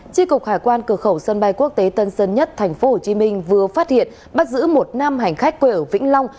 tri cục hải quan cửa khẩu sân bay quốc tế tân sơn nhất tp hcm vừa phát hiện bắt giữ một nam hành khách quê ở vĩnh long